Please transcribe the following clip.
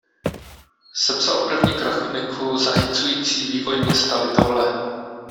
Sepsal první kroniku zachycující vývoj města Litovle.